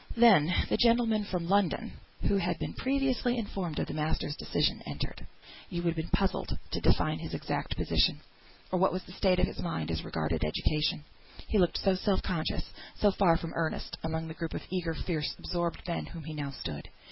Then the "gentleman from London" (who had been previously informed of the masters' decision) entered. You would have been puzzled to define his exact position, or what was the state of his mind as regarded education. He looked so self conscious, so far from earnest, among the group of eager, fierce, absorbed men, among whom he now stood.